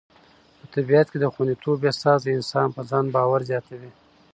په طبیعت کې د خوندیتوب احساس د انسان په ځان باور زیاتوي.